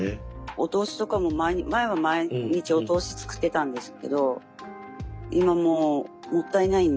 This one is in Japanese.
お通しとかも前は毎日お通し作ってたんですけど今もうもったいないんで。